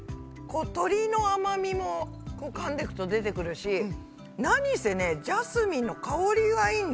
鶏の甘みもかんでくと出てくるしなにせねジャスミンの香りがいいんだよね。